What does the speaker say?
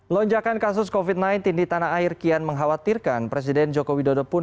lonjakan kasus covid sembilan belas di tanah air kian mengkhawatirkan presiden joko widodo pun